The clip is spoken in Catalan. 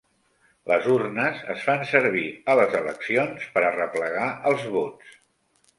Les urnes es fan servir a les eleccions per arreplegar els vots.